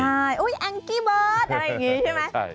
ใช่อุ๊ยแองกี้เบิร์ตอะไรอย่างนี้ใช่ไหม